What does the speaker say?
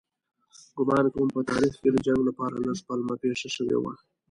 ګومان کوم په تاریخ کې د جنګ لپاره لږ پلمه پېښه شوې وي.